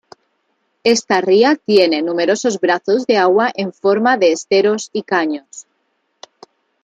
Esta ría tiene numerosos brazos de agua en forma de esteros y caños.